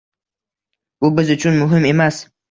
bu biz uchun muhim emas!